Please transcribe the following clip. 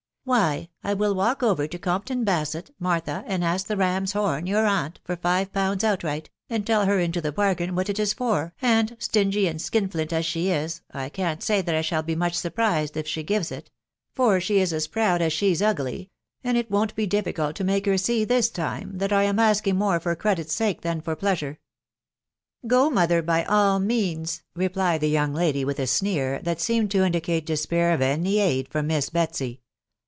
" Why, I will walk over to Compton Basett, Martha, and ask the ram's horn, your aunt, for five pounds outright, and tell her into the bargain, what it is for, and, stingy and skin flint as she is, I can't say that I shall be much surprised if she gives it ; for she is as proud as she's ugly ; and it won't be difficult to make ber see,, this time, that I am asking more for credit's sake than for pleasure." " Go, mother, by all means," replied the young lady with a sneer, that seemed to indicate despair of any aid from Mias Betsy.